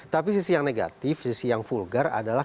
tapi sisi yang negatif sisi yang vulgar adalah